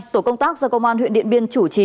tổ công tác do công an huyện điện biên chủ trì